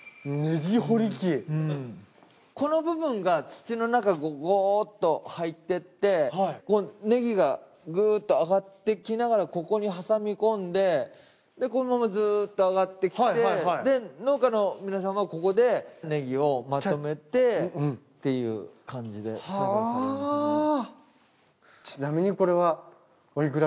この部分が土の中ゴーッと入ってってこうねぎがグーッと上がってきながらここに挟みこんでこのままずっと上がってきて農家の皆さんはここでねぎをまとめてっていう感じで作業されますね。